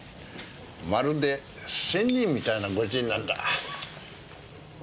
まるで仙人みたいな御仁なんだ。